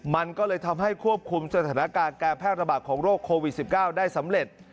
มันก็เลยทำให้ควบคุมสถานการณ์การแพร่ระบาดของโรคโควิด๑๙ได้สำเร็จ